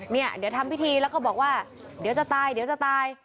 เนี่ยเดี๋ยวทำพิธีแล้วก็บอกว่าเดี๋ยวจะตายเดี๋ยวจะตาย